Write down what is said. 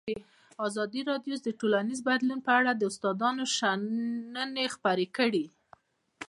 ازادي راډیو د ټولنیز بدلون په اړه د استادانو شننې خپرې کړي.